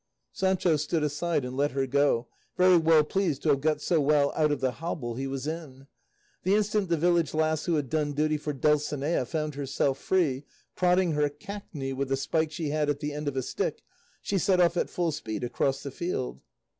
Sancho stood aside and let her go, very well pleased to have got so well out of the hobble he was in. The instant the village lass who had done duty for Dulcinea found herself free, prodding her "cackney" with a spike she had at the end of a stick, she set off at full speed across the field.